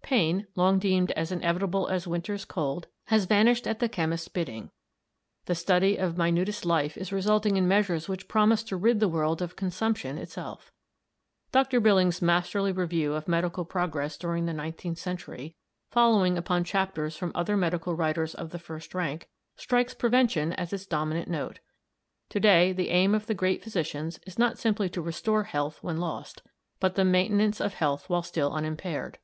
Pain, long deemed as inevitable as winter's cold, has vanished at the chemist's bidding: the study of minutest life is resulting in measures which promise to rid the world of consumption itself. Dr. Billings's masterly review of medical progress during the nineteenth century, following upon chapters from other medical writers of the first rank, strikes Prevention as its dominant note. To day the aim of the great physicians is not simply to restore health when lost, but the maintenance of health while still unimpaired.